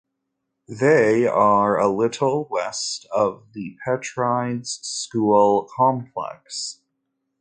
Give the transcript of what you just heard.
They are a little west of the Petrides School Complex.